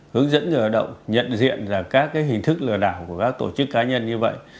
hướng dẫn người lao động nhận diện các hình thức lừa đảo của các tổ chức cá nhân như vậy